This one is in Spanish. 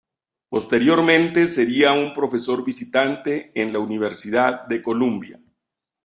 Posteriormente sería un profesor visitante en la Universidad de Columbia.